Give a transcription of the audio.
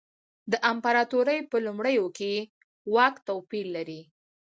د امپراتورۍ په لومړیو کې یې واک توپیر لري.